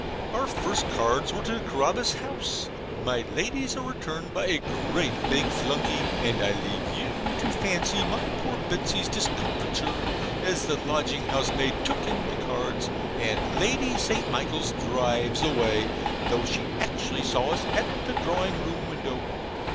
Our first cards were to Carabas House; my Lady's are returned by a great big flunkey; and I leave you to fancy my poor Betsy's discomfiture as the lodging house maid took in the cards, and Lady St. Michaels drives away, though she actually saw us at the drawing room window.